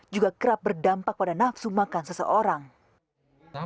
juga kerap berdampak pada nafsu makan seseorang